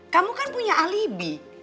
kamu kan punya alibi